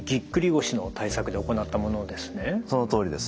そのとおりです。